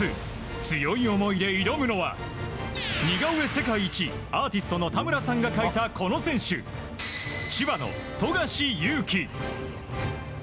強い思いで挑むのは似顔絵世界一アーティストの田村さんが描いたこの選手千葉の富樫勇樹。